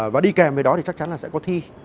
và đi kèm với đó